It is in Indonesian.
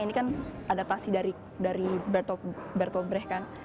ini kan adaptasi dari bertolt brecht kan